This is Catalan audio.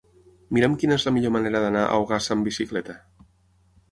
Mira'm quina és la millor manera d'anar a Ogassa amb bicicleta.